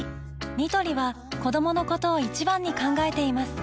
ニトリは子どものことを一番に考えています